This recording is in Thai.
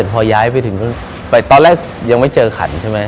ผ่อย้ายไปเท่านั้นตอนแรกยังไม่เจอขันใช่มั้ย